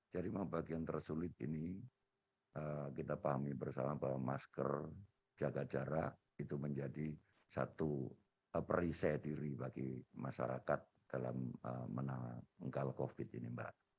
jadi bagian tersulit ini kita pahami bersama pak masker jaga jarak itu menjadi satu perise diri bagi masyarakat dalam menangkal covid ini mbak